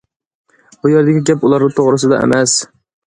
بۇ يەردىكى گەپ ئۇلار توغرىسىدا ئەمەس.